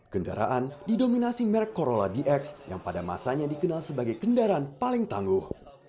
kendaraan didominasi merek corolla dx yang pada masanya dikenal sebagai kendaraan paling tangguh